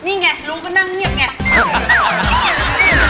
นี่ไงลุงก็นั่งเงียบไง